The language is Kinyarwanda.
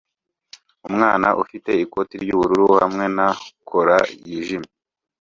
Umwana ufite ikoti ry'ubururu hamwe na cola yijimye